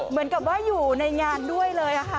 เหมือนกับว่าอยู่ในงานด้วยเลยค่ะ